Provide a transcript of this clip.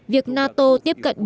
việc nato tiếp cận tỉnh đồng nai